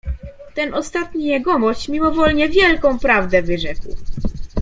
"Ten ostatni Jegomość mimowolnie wielką prawdę wyrzekł."